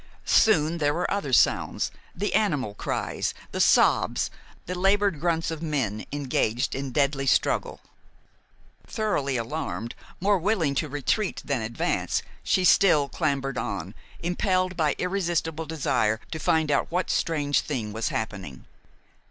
Soon there were other sounds, the animal cries, the sobs, the labored grunts of men engaged in deadly struggle. Thoroughly alarmed, more willing to retreat than advance, she still clambered on, impelled by irresistible desire to find out what strange thing was happening.